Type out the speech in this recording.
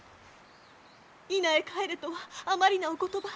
伊那へ帰れとはあまりなお言葉。